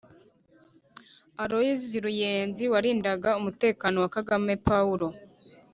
Aloys Ruyenzi warindaga umutekano wa Kagame Pawulo